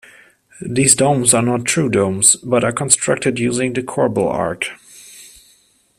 These domes are not true domes, but are constructed using the corbel arch.